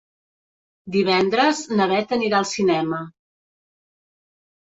Divendres na Beth anirà al cinema.